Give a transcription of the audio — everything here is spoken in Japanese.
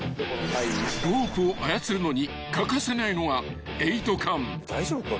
［ロープを操るのに欠かせないのがエイト環］